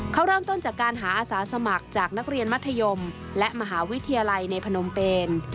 เขาเริ่มต้นจากการหาอาสาสมัครจากนักเรียนมัธยมและมหาวิทยาลัยในพนมเปน